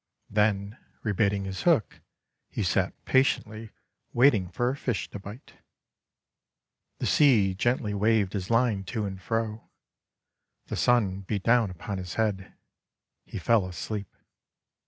Then, rebaiting his hook, he sat patiently waiting for a fish to bite. The sea gently waved his line to and fro. The Sun beat down upon his head. He fell asleep.